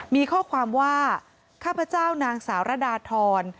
มีข้อความว่าข้าพเจ้านางสาวระดาทร